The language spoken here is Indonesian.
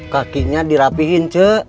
kakinya dirapihin cu